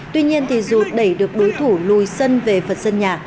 tuy nhiên dù đẩy được đối thủ lùi sân về phật sân nhà